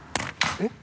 ┐えっ？